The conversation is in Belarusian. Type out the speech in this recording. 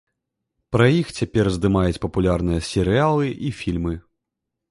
Пра іх цяпер здымаюць папулярныя серыялы і фільмы.